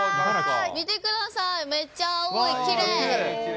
見てください、めっちゃ青い、きれい。